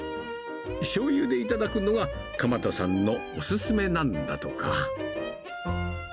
しょうゆで頂くのは、鎌田さんのお勧めなんだとか。